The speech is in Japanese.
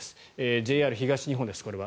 ＪＲ東日本です、これは。